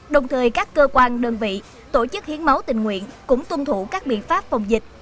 đồng thời các cơ quan đơn vị tổ chức hiến máu tình nguyện cũng tuân thủ các biện pháp phòng dịch